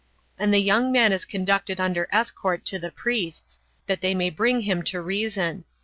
And the young man is conducted under escort to the priests, that they may bring him to reason.